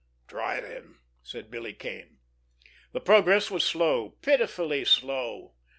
"Try, then," said Billy Kane. The progress was slow, pitifully slow.